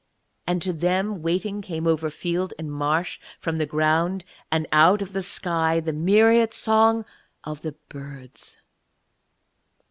And to them waiting came over field and marsh, from the ground and out of the sky, the myriad song of the birds.